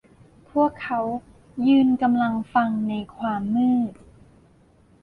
พวกเขายืนกำลังฟังในความมืด